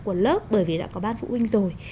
của lớp bởi vì đã có ban phụ huynh rồi